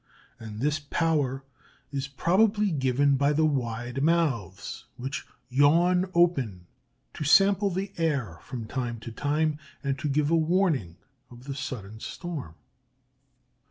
And this power is probably given by the wide mouths, which yawn open to sample the air from time to time and to give a warning of the sudden storm.